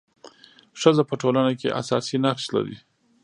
ښځه په ټولنه کي اساسي نقش لري.